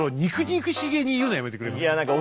憎々しげに言うのやめてくれますか。